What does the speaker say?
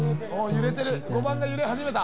５番が揺れ始めた！